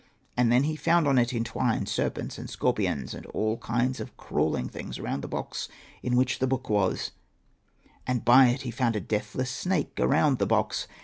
And then he found on it entwined serpents and scorpions and all kinds of crawling things around the box in which the book was ; and by it he found a deathless snake around the box.